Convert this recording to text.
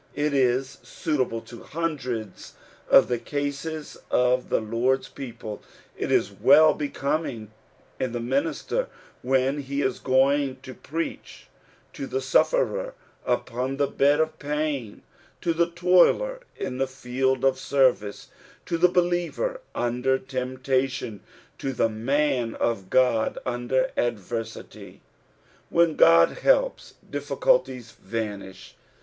It is suitable to hundreds of the cases of the IiOid's people ; it is well becoming in the minister when ho is going to preach, to the BuSerer upon the bed of pain, to the toiler in the field of service, to the believer under temptation, to the man of Qod under adversity ; when God helps, diiGculties vanish.